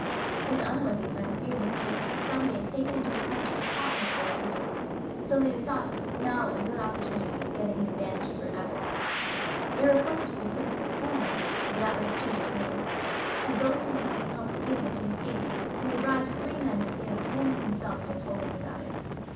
His unworthy friends feared that he might some day take it into his head to recall his old tutor, so they thought they now had a good opportunity of getting him banished for ever. They reported to the Prince that Suliman, for that was the tutor's name, had boasted of having helped Celia to escape, and they bribed three men to say that Suliman himself had told them about it.